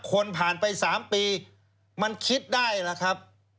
คนผ่านไป๓ปีมันคิดได้ล่ะครับ